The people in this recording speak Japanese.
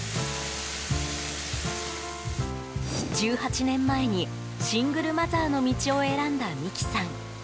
１８年前にシングルマザーの道を選んだ美希さん。